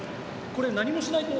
これ、何もしないと。